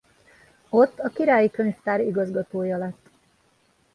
Ott a királyi könyvtár igazgatója lett.